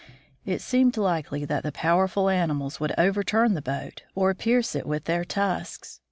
It seemed likely that the powerful animals would overturn the boat or pierce it with their tusks.